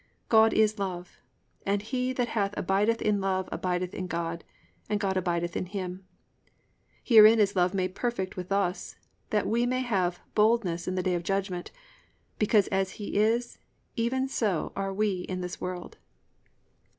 God is Love; and he that hath abideth in love abideth in God, and God abideth in him. (17) Herein is love made perfect with us, that we may have boldness in the day of judgment; because as he is, even so are we in this world."